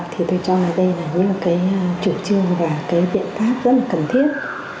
thì tôi cho là đây là những cái chủ trương và cái biện pháp rất là cần thiết